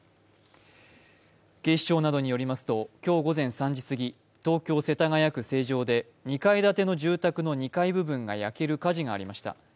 警視庁などによりますと今日午前３時すぎ東京・世田谷区成城で２階建ての住宅の２階部分が焼ける火事がありました。